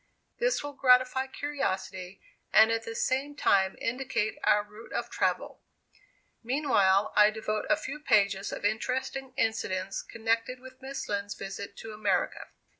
This will gratify curiosity, and at the same time indicate our route of travel. Meanwhile, I devote a few pages to interesting incidents connected with Miss Lind's visit to America.